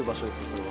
それは。